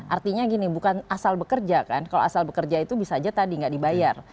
artinya gini bukan asal bekerja kan kalau asal bekerja itu bisa aja tadi nggak dibayar